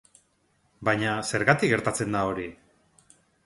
Baina zergatik gertatzen da hori?